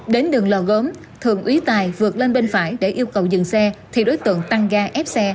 đến đường lò gốm thường úy tài vượt lên bên phải để yêu cầu dừng xe thì đối tượng tăng ga ép xe